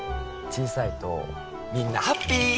小さいとみんなハッピー！